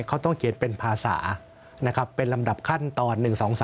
เขาต้องเขียนเป็นภาษานะครับเป็นลำดับขั้นตอน๑๒๓